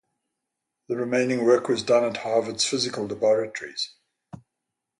The remaining work was done at Harvard's Physical Laboratories.